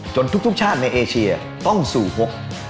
ทุกชาติในเอเชียต้องสู่ฮก